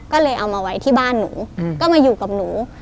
ก็เลยเอามาไว้ที่บ้านหนูก็มาอยู่กับหนู